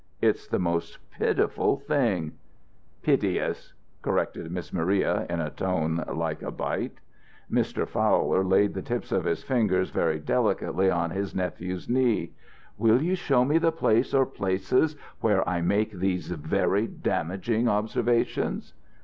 It's the most pitiful thing " "Piteous," corrected Miss Maria, in a tone like a bite. Mr. Fowler laid the tips of his fingers very delicately on his nephew's knee. "Will you show me the place or places where I make these very damaging observations?"